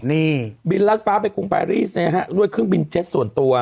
นี่บินรัดฟ้าไปกรุงปารีสนะฮะด้วยเครื่องบินเจ็ตส่วนตัว